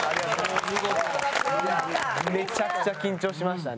めちゃくちゃ緊張しましたね。